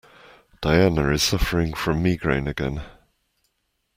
Diana is suffering from migraine again.